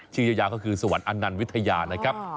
ยายาก็คือสวรรค์อันนันต์วิทยานะครับ